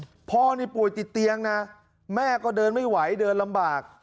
พ่อนี่ป่วยติดเตียงนะแม่ก็เดินไม่ไหวเดินลำบาก